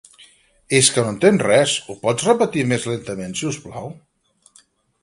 És que no entenc res, ho pots repetir més lentament, siusplau?